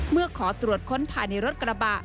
เมื่อขอตรวจค้นผ่านในรถกระบะ